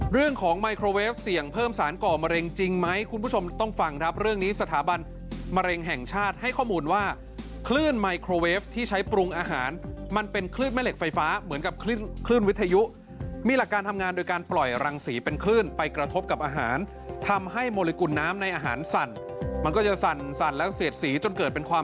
เรื่องของไมโครเวฟเสี่ยงเพิ่มสารก่อมะเร็งจริงไหมคุณผู้ชมต้องฟังครับเรื่องนี้สถาบันมะเร็งแห่งชาติให้ข้อมูลว่าคลื่นไมโครเวฟที่ใช้ปรุงอาหารมันเป็นคลื่นแม่เหล็กไฟฟ้าเหมือนกับคลื่นวิทยุมีหลักการทำงานโดยการปล่อยรังสีเป็นคลื่นไปกระทบกับอาหารทำให้มลิกุลน้ำในอาหารสั่นมันก็จะสั่นและเสียดสีจนเกิดเป็นความ